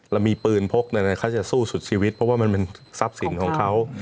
เรามีปืนพกอะไรเขาจะสู้สุดชีวิตเพราะว่ามันเป็นทรัพย์สินของเขา